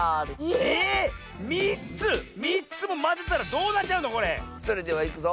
ええっ⁉３つ⁉３つもまぜたらどうなっちゃうのこれ⁉それではいくぞ。